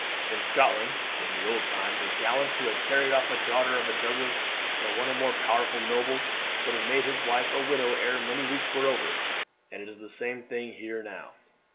In Scotland in the old times a gallant who had carried off a daughter of a Douglas or one of our powerful nobles would have made his wife a widow ere many weeks were over, and it is the same thing here now.